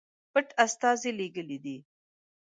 پټ استازي لېږلي دي.